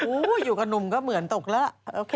อยู่กับหนุ่มก็เหมือนตกแล้วล่ะ